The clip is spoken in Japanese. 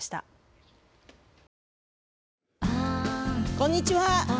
こんにちは。